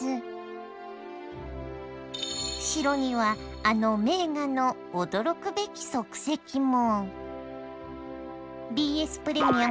城にはあの名画の驚くべき足跡も。